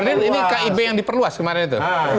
ini kib yang diperluas kemarin itu